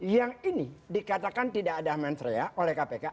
yang ini dikatakan tidak ada mensrea oleh kpk